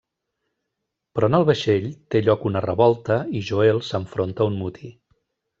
Però en el vaixell, té lloc una revolta i Joel s'enfronta a un motí.